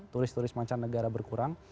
tulis tulis mancanegara berkurang